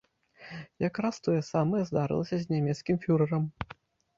Якраз тое самае здарылася з нямецкім фюрэрам.